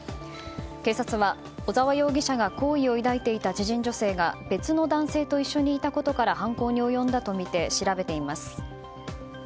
警察は小沢容疑者が好意を抱いていた知人女性が別の男性と一緒にいたことから犯行に及んだとみて調べています。